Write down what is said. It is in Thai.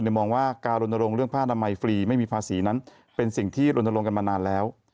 มองว่าการรณรงค์เรื่องผ้านามัยฟรีไม่มีภาษีนั้นเป็นสิ่งที่รณรงค์กันมานานแล้ว